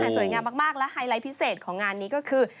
สวยงามมากและไฮไลท์พิเศษของงานนี้ก็คือ